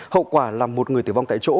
hậu quả là một người tử vong tại chỗ